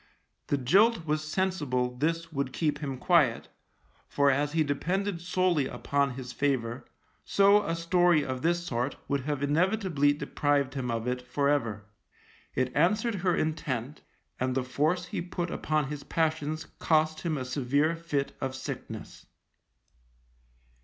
The jilt was sensible this would keep him quiet, for as he depended solely upon his favour, so a story of this sort would have inevitably deprived him of it for ever. It answered her intent, and the force he put upon his passions cost him a severe fit of sickness.